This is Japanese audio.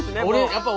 やっぱり。